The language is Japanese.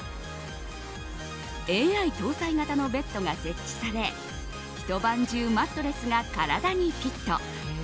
ＡＩ搭載型のベッドが設置され一晩中マットレスが体にフィット。